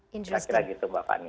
kira kira gitu bapak